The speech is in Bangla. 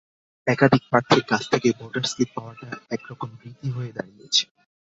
একাধিক প্রার্থীর কাছ থেকে ভোটার স্লিপ পাওয়াটা একরকম রীতি হয়ে দাঁড়িয়েছে।